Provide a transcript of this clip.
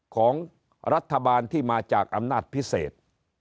ของรัฐบาลที่มาจากอำนาจพิเศษ